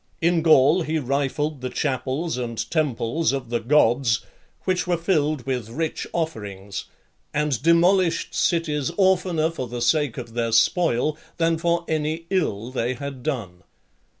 In Gaul, he rifled the chapels and temples of the gods, which were filled with rich offerings, and demolished cities oftener for the sake of their spoil, than for any ill they had done.